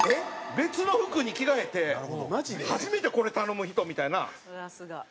別の服に着替えて初めてこれ頼む人みたいな芝居を打って。